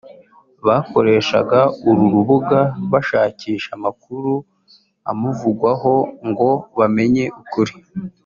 bakoreshaga uru rubuga bashakisha amakuru amuvugwaho ngo bamenye ukuri